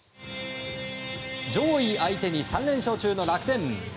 上位相手に３連勝中の楽天。